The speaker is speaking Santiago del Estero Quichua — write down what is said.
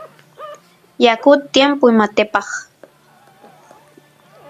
yakut timpuy matepaq